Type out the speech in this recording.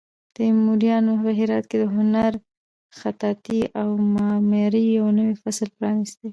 تیموریانو په هرات کې د هنر، خطاطۍ او معمارۍ یو نوی فصل پرانیست.